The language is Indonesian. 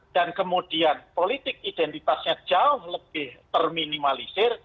dan kemudian politik identitasnya jauh lebih terminimalisir